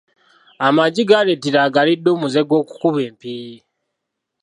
Amagi galeetera agalidde omuze gw’okukuba empiiyi.